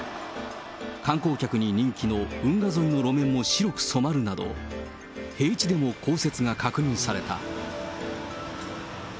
観光客に人気の運河沿いの路面も白く染まるなど、平地でも降雪が確認された。